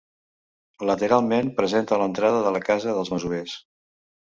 Lateralment presenta l'entrada de la casa dels masovers.